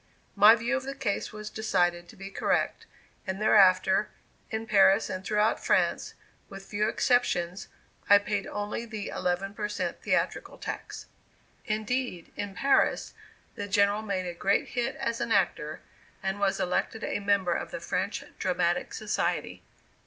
My view of the case was decided to be correct, and thereafter, in Paris and throughout France, with few exceptions, I paid only the eleven per cent theatrical tax. Indeed, in Paris, the General made a great hit as an actor and was elected a member of the French Dramatic Society.